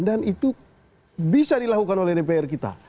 dan itu bisa dilakukan oleh dpr kita